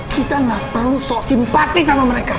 kita gak perlu sok simpati sama mereka